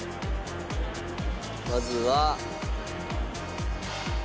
まずは。